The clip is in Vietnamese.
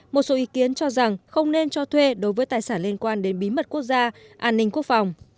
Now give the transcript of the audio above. một số ý kiến cho rằng không nên cho thuê đối với tài sản liên quan đến bí mật quốc gia an ninh quốc phòng